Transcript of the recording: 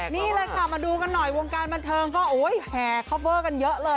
นี่เลยค่ะมาดูกันหน่อยวงการบันเทิงก็แห่คอปเวอร์กันเยอะเลย